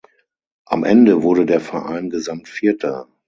Am Ende wurde der Verein Gesamtvierter.